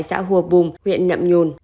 xã hùa bùm huyện nậm nhôn